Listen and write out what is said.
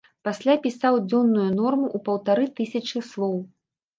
Пасля пісаў дзённую норму ў паўтары тысячы слоў.